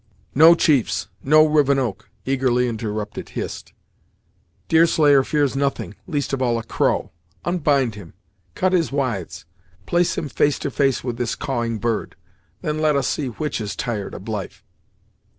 "No, chiefs no, Rivenoak " eagerly interrupted Hist "Deerslayer fears nothing; least of all a crow! Unbind him cut his withes, place him face to face with this cawing bird; then let us see which is tired of life!"